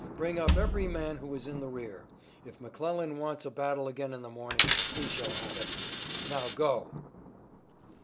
Bring up every man who is in the rear. If McClellan wants a battle again in the morning, he shall have it. Now go!"